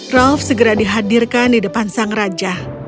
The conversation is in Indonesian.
ralf segera dihadirkan di depan sang raja